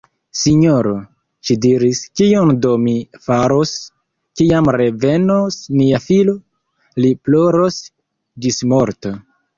Sinjoro! ŝi diris, kion do mi faros, kiam revenos nia filo? Li ploros ĝismorte.